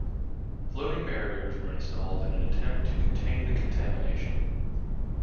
Floating barriers were installed in an attempt to contain the contamination.